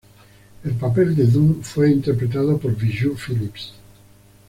El papel de Doom, fue interpretada por Bijou Phillips.